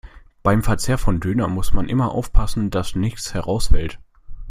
Beim Verzehr von Döner muss man immer aufpassen, dass nichts herausfällt.